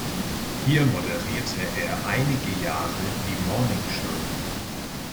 Hier moderierte er einige Jahre die Morningshow.